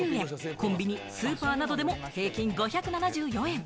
コンビニ・スーパーなどでも平均５７４円。